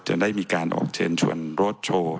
จะอาจมัด